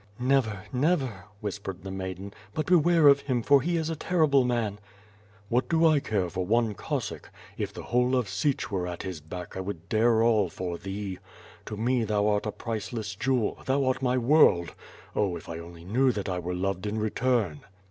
"Never, never,^' whispered the maiden, but beware of him, for he is a terrible man/' "\VTiat do I care for one Cossack! If the whole of Sich were at his back I would dare all for thee! To me thou art a priceless jewel; thou art my world! Oh, if I only knew that I were loved in return."